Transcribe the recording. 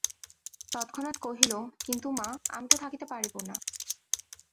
তৎক্ষণাৎ কহিল, কিন্তু মা, আমি তো থাকিতে পারিব না।